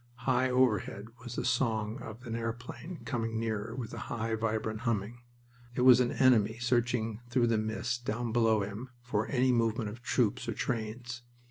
High overhead was the song of an airplane coming nearer, with a high, vibrant humming. It was an enemy searching through the mist down below him for any movement of troops or trains.